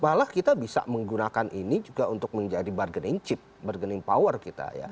malah kita bisa menggunakan ini juga untuk menjadi bargaining chip bargaining power kita ya